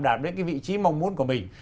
đạt đến cái vị trí mong muốn của mình